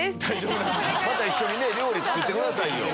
また一緒に料理作ってくださいよ。